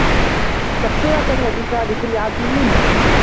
تَبصِرَةً وَذِكرى لِكُلِّ عَبدٍ مُنيبٍ